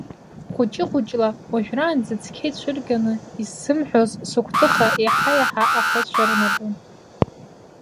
Хәыҷы-хәыҷла уажәраанӡа цқьа ицәырганы исзымҳәоз сыгәҭыха еиҳа-еиҳа ахы цәырнагон.